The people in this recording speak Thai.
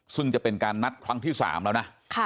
ซึ่งจะเป็นการนัดครั้งที่๓แล้วนะ